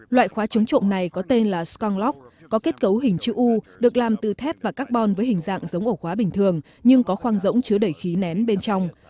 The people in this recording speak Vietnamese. loại khóa chống trộm này có tên là scanlog có kết cấu hình chữ u được làm từ thép và carbon với hình dạng giống ổ khóa bình thường nhưng có khoang rỗng chứa đẩy khí nén bên trong